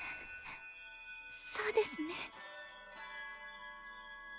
そうですね。